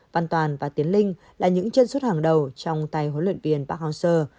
văn toàn và tiến linh là những chân xuất hàng đầu trong tay huấn luyện viên park hang seo